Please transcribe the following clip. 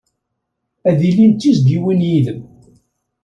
Ad ilin d tizzyiwin yid-m.